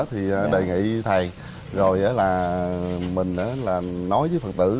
thì đề nghị thầy rồi là mình nói với phật tử